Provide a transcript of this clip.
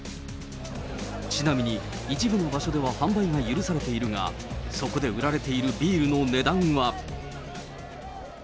ちなみに、一部の場所では販売が許されているが、そこで売られているビールの値段は。